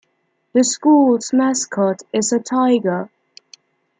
The school's mascot is a tiger.